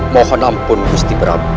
mohon ampun gusti prabu